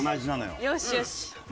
よしよし！